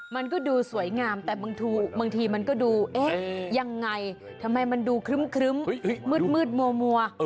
มันก็ดูสวยงามแต่บางทีมันก็ดูเอ๊ะยังไงทำไมมันดูครึ้มมืดมัว